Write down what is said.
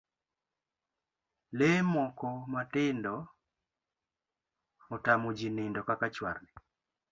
Lee moko matindo otamo jii nindo kaka chwarni